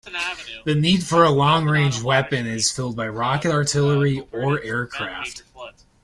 The need for a long-range weapon is filled by rocket artillery, or aircraft.